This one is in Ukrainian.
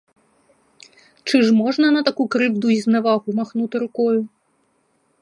Чи ж можна на таку кривду й зневагу махнути рукою?